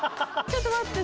ちょっと待って。